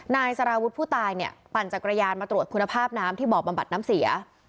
นายสารวุฒิผู้ตายเนี่ยปั่นจักรยานมาตรวจคุณภาพน้ำที่บ่อบำบัดน้ำเสีย